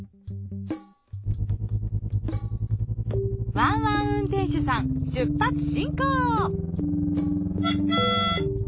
ワンワン運転手さん出発進行！